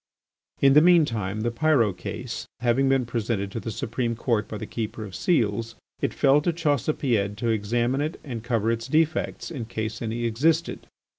In the mean time the Pyrot case, having been presented to the Supreme Court by the Keeper of Seals, it fell to Chaussepied to examine it and cover its defects, in case any existed.